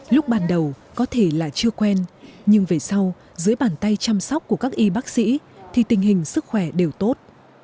lúc ban đầu có thể là chưa quen nhưng về sau dưới bàn tay chăm sóc của các y bác sĩ thì tình hình sức khỏe đều tốt